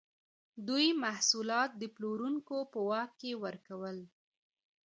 دوی محصولات د پلورونکو په واک کې ورکول.